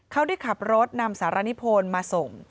เขาได้ขับรถนำสารนิพลมาส่ง